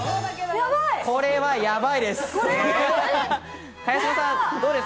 これは、やばいです。